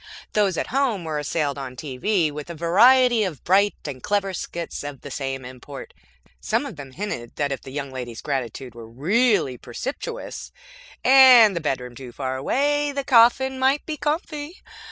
Those at home were assailed on TV with a variety of bright and clever skits of the same import. Some of them hinted that, if the young lady's gratitude were really precipitous, and the bedroom too far away, the coffin might be comfy.